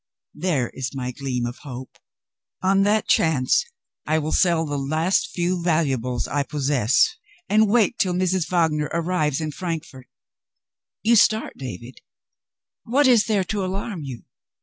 There is my gleam of hope. On that chance, I will sell the last few valuables I possess, and wait till Mrs. Wagner arrives at Frankfort. You start, David! What is there to alarm you?